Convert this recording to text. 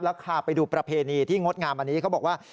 แล้วพาไปดูประเพณีที่งดงามอันนี้เขาบอกว่า